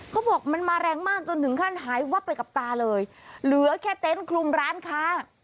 เขาบอกมันมาแรงมากจนถึงขั้นหายวับไปกับตาเลยเหลือแค่เต็นต์คลุมร้านค้า